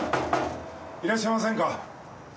いらっしゃいませんか？